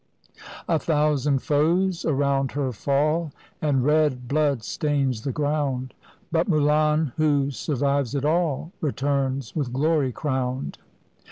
A thousand foes around her fall, And red blood stains the ground; But Mulan, who survives it all. Returns with glory crowned.